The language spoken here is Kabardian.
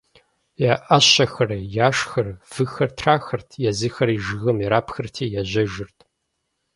Я ӏэщэхэр, яшхэр, выхэр трахырт, езыхэри жыгым ирапхырти ежьэжырт.